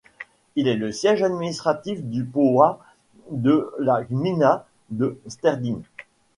Il est le siège administratif du powiat de la gmina de Sterdyń.